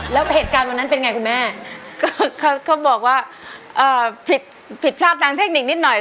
เรานี่โบ๊ยทางเทคนิคโบ๊ย